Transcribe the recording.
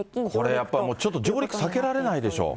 これやっぱりちょっと上陸避けられないでしょう。